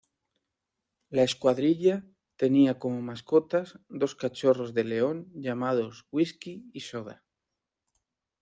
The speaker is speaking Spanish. La escuadrilla tenía como mascotas dos cachorros de león llamados Whiskey y Soda.